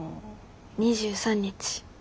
２３日。